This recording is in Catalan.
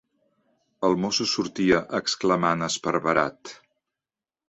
el mosso sortia, exclamant esparverat: